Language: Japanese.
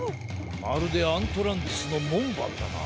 まるでアントランティスのもんばんだな。